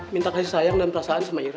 minta kasih sayang dan perasaan sama ira